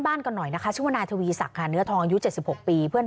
ไม่อยากให้แม่เป็นอะไรไปแล้วนอนร้องไห้แท่ทุกคืน